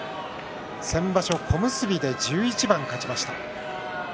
先場所、小結で１１番勝ちました。